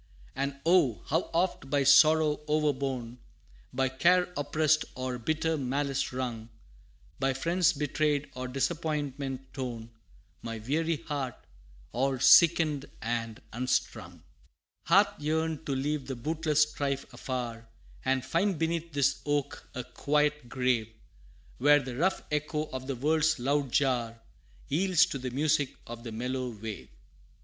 And oh! how oft by sorrow overborne, By care oppressed, or bitter malice wrung, By friends betrayed, or disappointment torn, My weary heart, all sickened and unstrung Hath yearned to leave the bootless strife afar, And find beneath this oak a quiet grave, Where the rough echo of the world's loud jar, Yields to the music of the mellow wave!